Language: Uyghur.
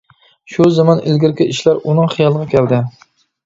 شۇ زامان ئىلگىرىكى ئىشلار ئۇنىڭ خىيالىغا كەلدى.